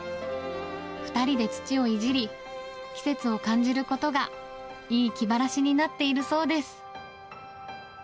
２人で土をいじり、季節を感じることがいい気晴らしになっているそうです。